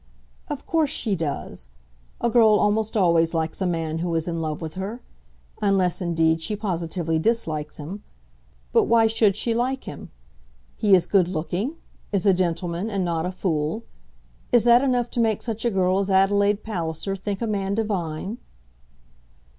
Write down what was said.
"Of course she does. A girl almost always likes a man who is in love with her, unless indeed she positively dislikes him. But why should she like him? He is good looking, is a gentleman, and not a fool. Is that enough to make such a girl as Adelaide Palliser think a man divine?"